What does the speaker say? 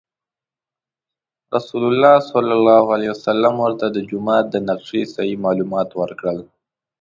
رسول الله صلی الله علیه وسلم ورته د جومات د نقشې صحیح معلومات ورکړل.